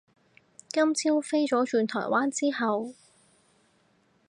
今朝飛咗轉台灣之後